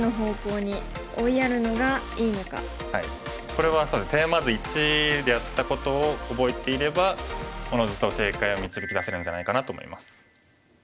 これはそうですねテーマ図１でやったことを覚えていればおのずと正解を導き出せるんじゃないかなと思います。